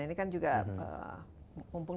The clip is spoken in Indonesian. ini kan juga mumpung